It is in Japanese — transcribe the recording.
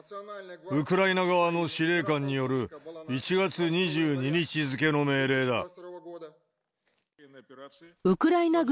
ウクライナ側の司令官による１月２２日付の命令だ。